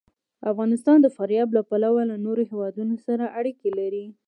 افغانستان د فاریاب له پلوه له نورو هېوادونو سره اړیکې لري.